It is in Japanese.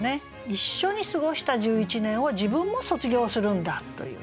一緒に過ごした１１年を自分も卒業するんだというね。